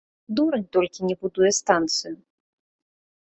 Дурань толькі не будуе станцыю.